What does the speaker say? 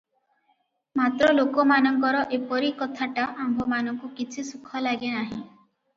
ମାତ୍ର ଲୋକମାନଙ୍କର ଏପରି କଥାଟା ଆମ୍ଭମାନଙ୍କୁ କିଛି ସୁଖ ଲାଗେ ନାହିଁ ।